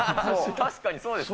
確かにそうですね。